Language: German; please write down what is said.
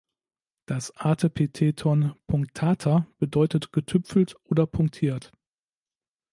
Das Artepitheton "punctata" bedeutet getüpfelt oder punktiert.